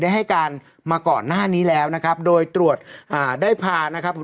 ให้การมาก่อนหน้านี้แล้วนะครับโดยตรวจอ่าได้พานะครับ